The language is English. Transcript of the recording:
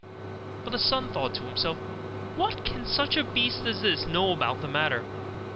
But the son thought to himself, 'What can such a beast as this know about the matter?